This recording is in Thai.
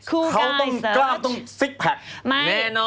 เขาก็ต้องซิกแพทซ์แน่นอน